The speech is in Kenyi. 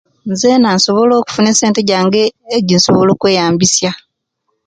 Zeena nsobola okufuna essente gyange ejesobola okweyambisya.